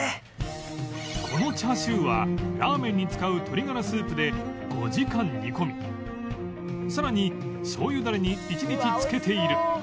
このチャーシューはラーメンに使う鶏ガラスープで５時間煮込みさらにしょうゆダレに１日漬けている